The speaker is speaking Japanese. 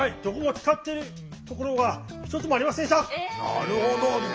なるほど。